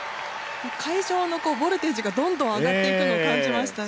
会場のボルテージがどんどん上がっていくのを感じましたね。